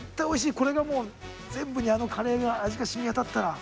これがもう全部にあのカレーが味がしみ渡ったら。